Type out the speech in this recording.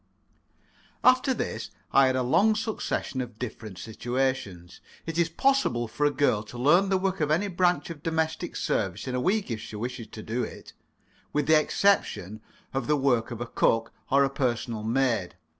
After this I had a long succession of different situations. It is possible for a girl to learn the work of any branch of domestic service in a week, if she wishes to do it, with the exception of the work of a cook or a personal maid.